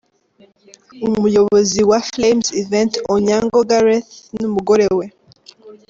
Umuyobozi wa wa Flames Events, Onyango Gareth n'umugore we.